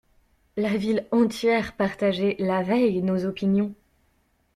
La ville entière partageait, la veille, nos opinions.